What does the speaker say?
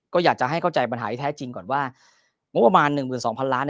ก็อยากจะให้เข้าใจปัญหาที่แท้จริงก่อนว่างบประมาณ๑๒๐๐๐ล้าน